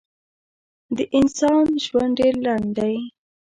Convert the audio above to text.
د انسان ژوند ډېر لنډ دی.